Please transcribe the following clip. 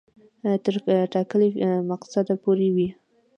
تر ټاکلي مقصده پوري وي.